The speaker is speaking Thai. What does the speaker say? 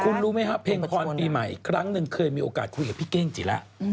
คุณรู้ไหมครับเพลงพรปีใหม่อีกครั้งหนึ่งเคยมีโอกาสคุยกับพี่เก้งจิระ